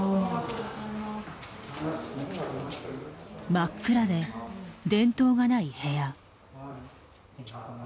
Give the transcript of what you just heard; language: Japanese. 真っ暗で電灯がない部屋。